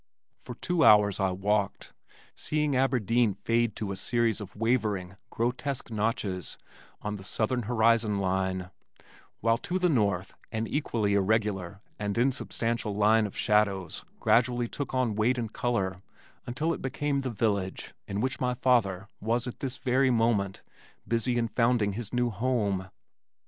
For two hours I walked, seeing Aberdeen fade to a series of wavering, grotesque notches on the southern horizon line, while to the north an equally irregular and insubstantial line of shadows gradually took on weight and color until it became the village in which my father was at this very moment busy in founding his new home.